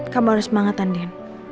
kamu harus semangat andin